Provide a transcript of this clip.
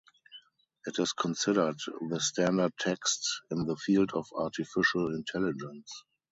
It is considered the standard text in the field of artificial intelligence.